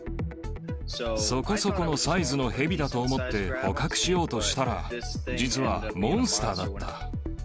そこそこのサイズのヘビだと思って、捕獲しようとしたら、実はモンスターだった。